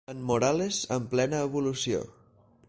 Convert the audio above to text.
En Morales en plena evolució.